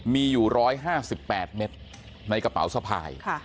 มีอยู่ร้อยห้าสิบแปดเม็ดในกระเป๋าสะผัย